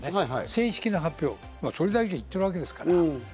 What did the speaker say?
正式な発表、総理大臣が言ってるわけですから。